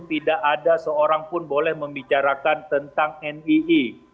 tidak ada seorang pun boleh membicarakan tentang nii